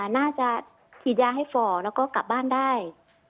น่าจะฉีดยาให้ฝ่อแล้วก็กลับบ้านได้